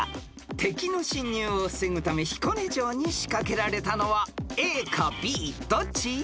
［敵の侵入を防ぐため彦根城に仕掛けられたのはＡかＢどっち？］